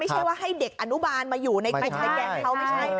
ไม่ใช่ว่าให้เด็กอนุบาลมาอยู่ในสแกนเขาไม่ใช่นะ